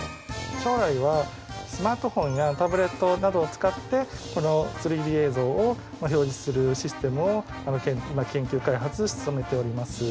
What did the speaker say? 将来はスマートフォンやタブレットなどを使ってこの３Ｄ映像を表示するシステムを今研究開発進めております。